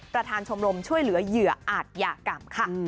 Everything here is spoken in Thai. ประธานชมรมช่วยเหลือเหยื่ออาจยากรรมค่ะ